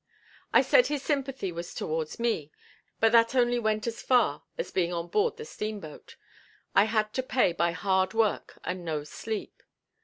I said his sympathy was towards me, but that only went as far as being on board the steamboat; I had to pay by hard work and no sleep.